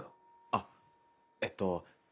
あっえっと